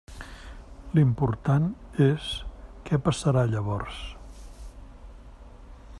L'important és què passarà llavors.